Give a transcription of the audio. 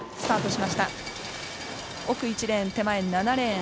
奥１レーン、手前７レーン。